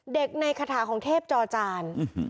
ในคาถาของเทพจอจาน